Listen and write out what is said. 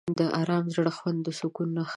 د آرام زړه خوند د سکون نښه ده.